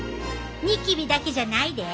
ニキビだけじゃないで。